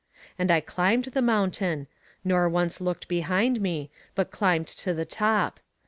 And I climbed the mountain, nor once looked behind me, but climbed to the top.